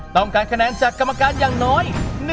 ต้องการคะแนนจากกรรมการอย่างน้อย